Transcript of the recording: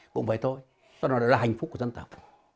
cũng vậy thôi do đó là hạnh phúc của dân tộc